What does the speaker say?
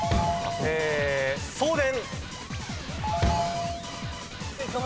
送電。